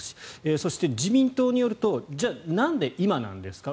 そして、自民党によるとじゃあ、なんで今なんですか。